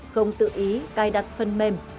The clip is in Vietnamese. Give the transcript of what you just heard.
không tự ý cài đặt phân mềm